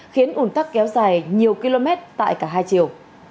khiến ủn tắc kéo dài nhiều km tại cả hai chiều